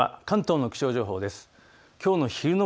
関東の気象情報です。